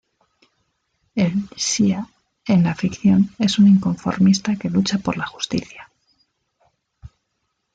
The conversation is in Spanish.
El "xia", en la ficción, es un inconformista que lucha por la justicia.